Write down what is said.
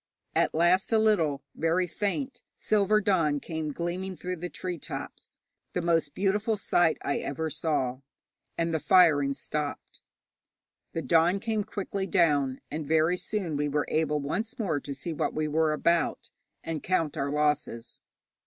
At last a little very faint silver dawn came gleaming through the tree tops the most beautiful sight I ever saw and the firing stopped. The dawn came quickly down, and very soon we were able once more to see what we were about, and count our losses.